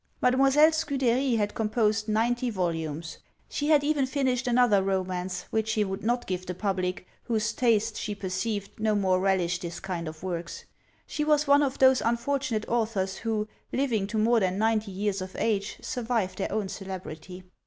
Mademoiselle Scudery had composed ninety volumes! She had even finished another romance, which she would not give the public, whose taste, she perceived, no more relished this kind of works. She was one of those unfortunate authors who, living to more than ninety years of age, survive their own celebrity.